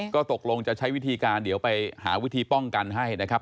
ก็ตกลงจะใช้วิธีการเดี๋ยวไปหาวิธีป้องกันให้นะครับ